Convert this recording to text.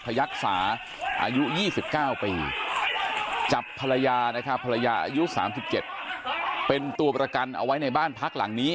ยักษาอายุ๒๙ปีจับภรรยานะครับภรรยาอายุ๓๗เป็นตัวประกันเอาไว้ในบ้านพักหลังนี้